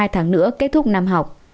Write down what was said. hai tháng nữa kết thúc năm học